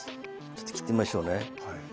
ちょっと切ってみましょうね。